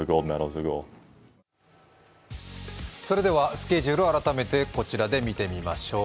スケジュールを改めてこちらで見てみましょう。